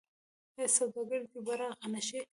آیا سوداګري دې پراخه نشي؟